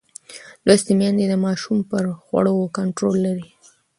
لوستې میندې د ماشوم پر خوړو کنټرول لري.